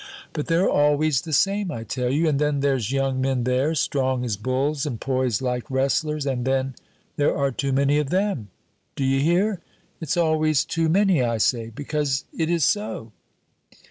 But they're always the same, I tell you; and then there's young men there, strong as bulls and poised like wrestlers, and then there are too many of them! D'you hear? It's always too many, I say, because it is so."